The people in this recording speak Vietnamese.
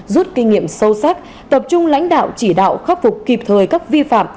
rút kinh nghiệm sâu sắc tập trung lãnh đạo chỉ đạo khắc phục kịp thời các vi phạm